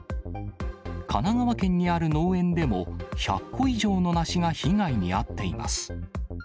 神奈川県にある農園でも１００個以上の梨が被害に遭っています。